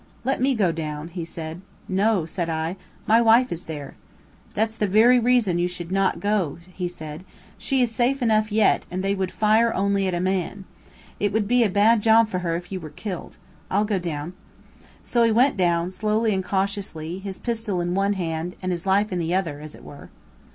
"Let me go down," he said. "No," said I, "my wife is there." "That's the very reason you should not go," he said. "She is safe enough yet, and they would fire only at a man. It would be a bad job for her if you were killed. I'll go down." So he went down, slowly and cautiously, his pistol in one hand, and his life in the other, as it were.